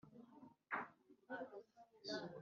ryateguye iyo nama bagumye guhagarara imbere ya cyo